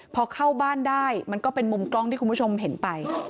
พอเข้าบ้านได้มันก็เป็นมุมกล้องที่คุณผู้ชมเห็นไป